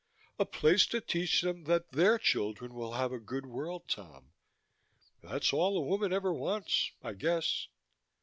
"A place to teach them that their children will have a good world, Tom. That's all a woman ever wants, I guess."